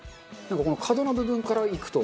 角の部分からいくと。